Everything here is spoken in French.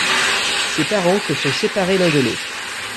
ses parents sont séparés l'un de l'autre.